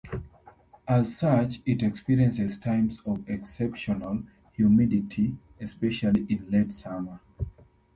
As such, it experiences times of exceptional humidity; especially in late summer.